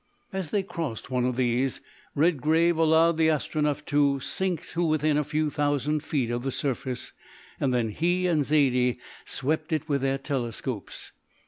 As they crossed one of these, Redgrave allowed the Astronef to sink to within a few thousand feet of the surface, and then he and Zaidie swept it with their telescopes.